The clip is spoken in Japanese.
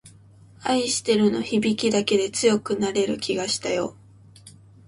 愛してるの響きだけで強くなれる気がしたよ